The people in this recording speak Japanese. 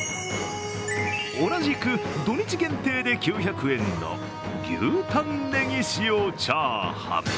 同じく土日限定で９００円の牛タンねぎ塩チャーハン。